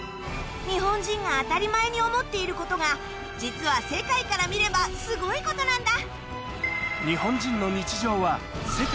日本人が当たり前に思っていることが実は世界から見ればすごいことなんだ。